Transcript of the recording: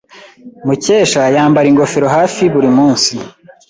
Mukesha yambara ingofero hafi buri munsi.